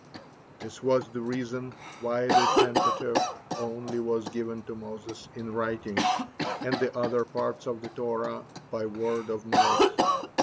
'" This was the reason why the Pentateuch only was given to Moses in writing, and the other parts of the Torah by word of mouth.